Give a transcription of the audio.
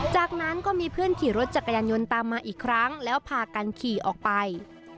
จากนั้นก็มีเพื่อนขี่รถจักรยานยนต์ตามมาอีกครั้งแล้วพากันขี่ออกไป